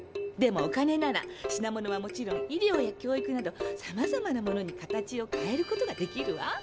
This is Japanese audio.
でもお金なら品物はもちろん医療や教育などさまざまなものに形を変えることができるわ。